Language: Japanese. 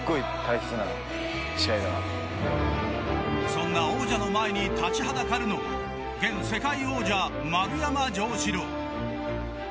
そんな王者の前に立ちはだかるのは現世界王者、丸山城志郎。